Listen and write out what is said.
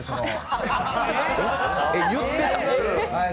言ってた？